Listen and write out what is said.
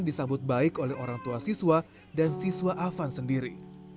disambut baik oleh orang tua siswa dan siswa afan sendiri